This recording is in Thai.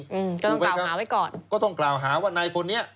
อืมต้องกล่าวหาไว้ก่อนก็ต้องกล่าวหาว่านายคนนี้